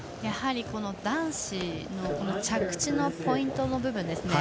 やはり男子の着地のポイントの部分。